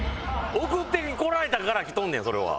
送ってこられたから着とんねんそれは。